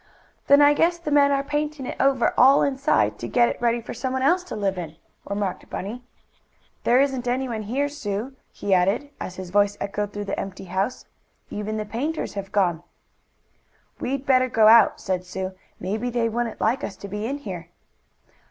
"Then I guess the men are painting it over all nice inside to get it ready for someone else to live in," remarked Bunny. "There isn't anyone here, Sue," he added, as his voice echoed through the empty house. "Even the painters have gone." "We'd better go out," said Sue. "Maybe they wouldn't like us to be in here."